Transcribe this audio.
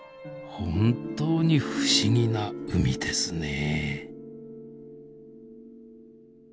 本当に不思議な海ですねえ。